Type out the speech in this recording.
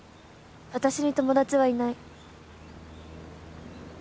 私に友達はいない